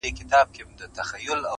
د ستن او تار خبري ډيري شې دي.